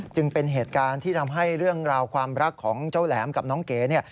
จึงเป็นเหตุการณ์ที่ทำให้เรื่องราวความรักของเจ้าแหลมกับน้องเก๋เนี่ย